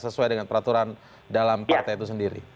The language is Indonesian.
sesuai dengan peraturan dalam partai itu sendiri